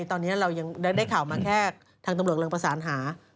เพราะฉะนั้นเรายังได้ข่าวมาแค่ทางตำรวจเรืองประสานหา